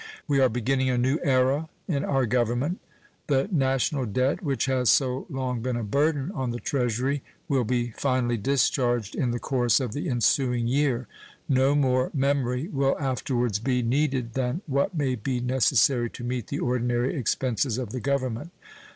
We are beginning a new era in our Government. The national debt, which has so long been a burden on the Treasury, will be finally discharged in the course of the ensuing year. No more memory will afterwards be needed than what may be necessary to meet the ordinary expenses of the Government.